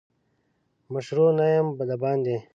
مشرو نه یم دباندي.